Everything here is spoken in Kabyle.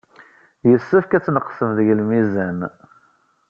Yessefk ad tneqsem deg lmizan.